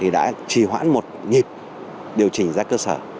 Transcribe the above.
đã trì hoãn một nhịp điều chỉnh ra cơ sở